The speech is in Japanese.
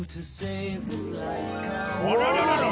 あらららら！